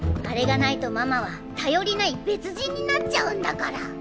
あれがないとママは頼りない別人になっちゃうんだから。